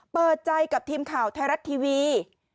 เปิดใจกับทีมข่าวไทยรัฐทีวี